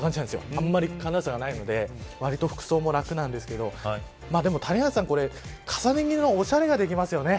あまり寒暖差がないのでわりと服装が楽なんですけどでも谷原さん、重ね着のおしゃれができますよね。